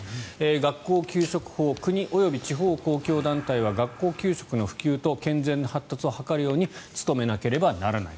学校給食法国及び地方公共団体は学校給食の普及と健全な発達を図るように努めなければならない。